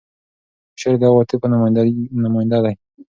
شعر د عواطفو نماینده دی.